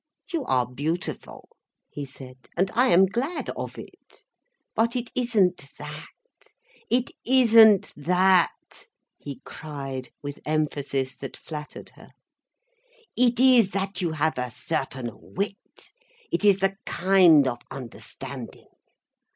"You are beautiful," he said, "and I am glad of it. But it isn't that—it isn't that," he cried, with emphasis that flattered her. "It is that you have a certain wit, it is the kind of understanding.